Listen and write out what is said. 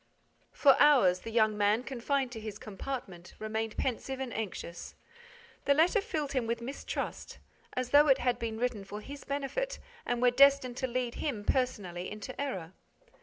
For hours, the young man, confined to his compartment, remained pensive and anxious. The letter filled him with mistrust, as though it had been written for his benefit and were destined to lead him, personally, into error.